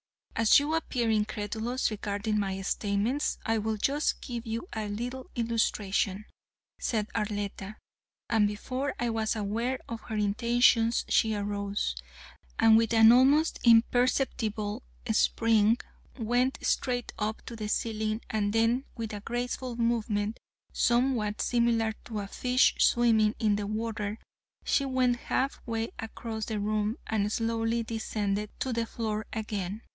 "As you appear incredulous regarding my statements, I will just give you a little illustration," said Arletta, and before I was aware of her intentions she arose, and with an almost imperceptible spring went straight up to the ceiling, and then with a graceful movement somewhat similar to a fish swimming in the water, she went half way across the room and slowly descended to the floor again.